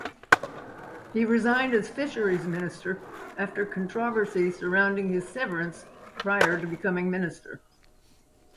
He resigned as Fisheries Minister after controversy surrounding his severance prior to becoming minister.